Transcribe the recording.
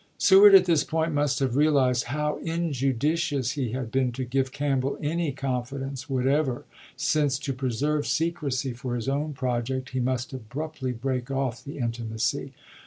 Seward at this point must have realized how in judicious he had been to give Campbell any con fidence whatever, since to preserve secrecy for his own project he must abruptly break off the inti macy.